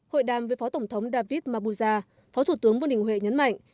hội đàm với phó tổng thống david mabouja phó thủ tướng vương đình huệ nhấn mạnh